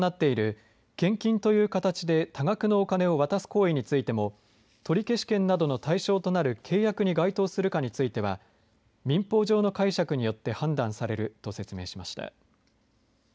また、問題となっている献金という形で多額のお金を渡す行為についても取消権などの対象となる契約に該当するかについては民法上の解釈によって判断されると説明しました。